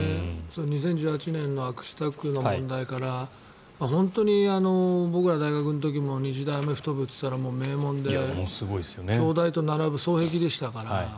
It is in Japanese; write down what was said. ２０１８年の悪質タックルの問題から本当に僕が大学の時も日大アメフト部といったら名門で京大と並ぶ双璧でしたから。